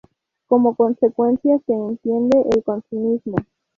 Como consecuencia se entiende el consumismo.